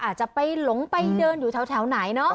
อาจจะไปหลงไปเดินอยู่แถวไหนเนาะ